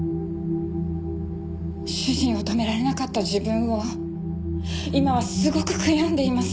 主人を止められなかった自分を今はすごく悔やんでいます。